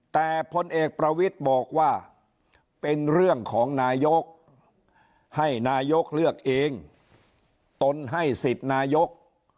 แต่พลเอกประวิทย์บอกว่าเป็นเรื่องของนายกให้นายกเลือกเองตนให้สิทธิ์นายก